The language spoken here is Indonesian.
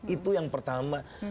itu yang pertama